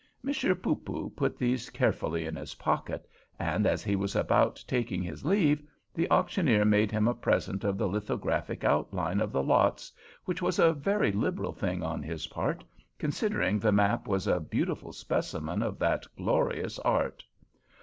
Monsieur Poopoo put these carefully in his pocket, and as he was about taking his leave, the auctioneer made him a present of the lithographic outline of the lots, which was a very liberal thing on his part, considering the map was a beautiful specimen of that glorious art.